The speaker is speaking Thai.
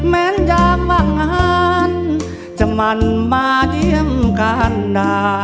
แม้งอย่างบางอันจะมั่นมาเยี่ยมกัน